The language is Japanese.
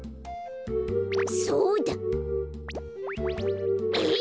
そうだ。えい！